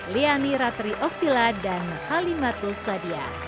liani ratri oktila dan halimatus sadia